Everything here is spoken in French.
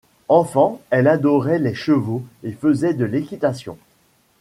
Enfant, elle adorait les chevaux et faisait de l’équitation.